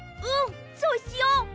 うんそうしよう！